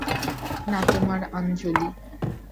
না তোমার আঞ্জলি।